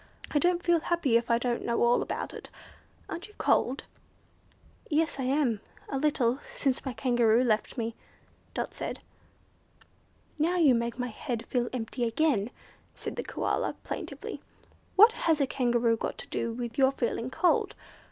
I don't feel happy if I don't know all about it. Aren't you cold?" "Yes, I am, a little, since my Kangaroo left me," Dot said. "Now you make my head feel empty again," said the Koala, plaintively. "What has a Kangaroo got to do with your feeling cold?